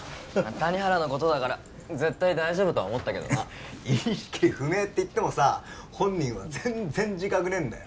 谷原のことだから絶対大丈夫とは思ったけどな意識不明っていってもさ本人は全然自覚ねえんだよ